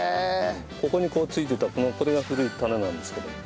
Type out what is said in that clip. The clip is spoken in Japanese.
ここに付いてたこれが古い種なんですけども。